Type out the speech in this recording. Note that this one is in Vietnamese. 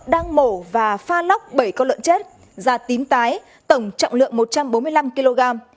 đang mổ và pha nóc bảy con lợn chết da tím tái tổng trọng lượng một trăm bốn mươi năm kg